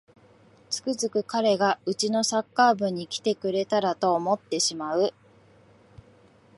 つくづく彼がうちのサッカー部に来てくれたらと思ってしまう